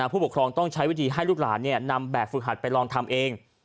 ผู้ปกครองต้องใช้วิธีให้ลูกหลานนำแบบฝึกหัดไปลองทำเอง